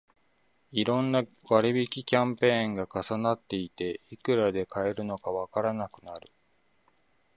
いろんな割引キャンペーンが重なっていて、いくらで買えるのかわからなくなる